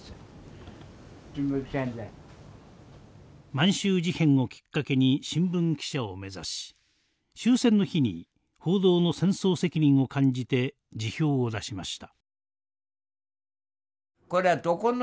満州事変をきっかけに新聞記者を目指し終戦の日に報道の戦争責任を感じて辞表を出しました。